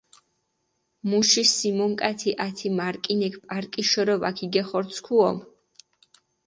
მუში სიმონკათი ათე მარკინექ პარკიშორო ვაქიგეხორცქუო.